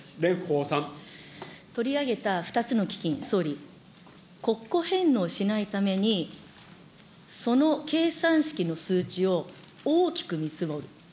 取り上げた２つの基金、総理、国庫返納しないためにその計算式の数値を大きく見積もる。